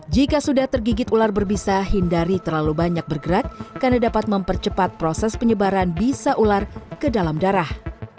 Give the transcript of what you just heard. jika sudah tergigit ular berbisa hindari terlalu banyak bergerak karena dapat mempercepat proses penyebaran bisa ular ke dalam darah